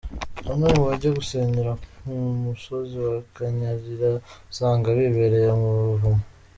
Bamwe mu bajya gusengera ku Musozi wa Kanyarira usanga bibereye mu buvumo.